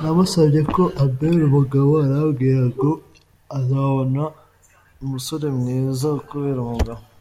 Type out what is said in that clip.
Namusabye ko ambera umugabo arambwira ngo “Uzabona umusore mwiza akubere umugabo”.